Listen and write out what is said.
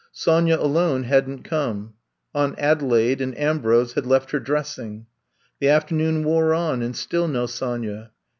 Sonya alone hadn't come; Aunt Adelaide and Ambrose had left her dressing. The afternoon wore on and still no Sonya.